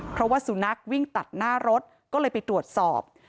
เพราะว่าสุนัขวิ่งตัดหน้ารถก็เลยไปตรวจสอบ